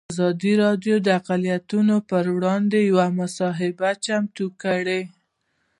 ازادي راډیو د اقلیتونه پر وړاندې یوه مباحثه چمتو کړې.